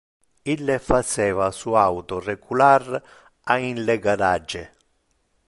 Ille faceva su auto recular a in le garage.